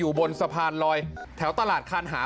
บนสะพานลอยแถวตลาดคานหา